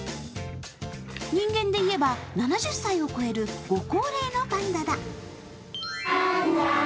人間でいえば７０歳を超えるご高齢のパンダだ。